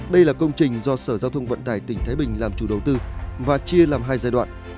đây là công trình do sở giao thông vận tải tỉnh thái bình làm chủ đầu tư và chia làm hai giai đoạn